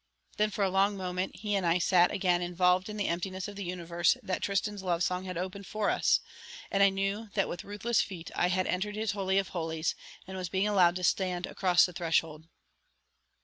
Then for a long moment he and I sat again involved in the emptiness of the universe that Tristan's love song had opened for us, and I knew that with ruthless feet I had entered his Holy of Holies and was being allowed to stand across the threshold.